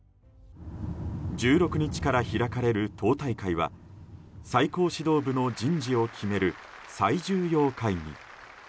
１６日から開かれる党大会は最高指導部の人事を決める最重要会議。